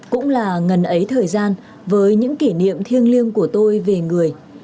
cũng là ngần ấy thời gian với những kỷ niệm thiêng liêng của tôi về người